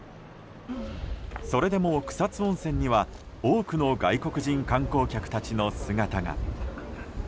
それでも草津温泉には多くの外国人観光客たちの姿が。